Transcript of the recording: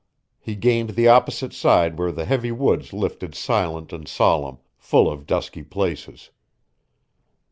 He gained the opposite side where the heavy woods lifted silent and solemn, full of dusky places.